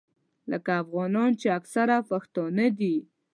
لکه افغانان چې اکثره پښتانه دي.